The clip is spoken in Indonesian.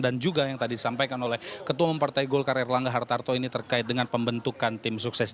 dan juga yang tadi disampaikan oleh ketua umum partai golkarir langga hartarto ini terkait dengan pembentukan tim sukses